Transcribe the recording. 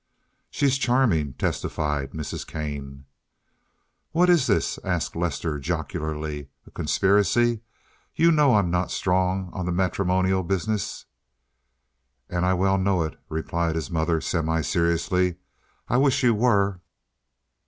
"She's charming," testified Mrs. Kane. "What is this?" asked Lester jocularly—"a conspiracy? You know I'm not strong on the matrimonial business." "And I well know it," replied his mother semi seriously. "I wish you were."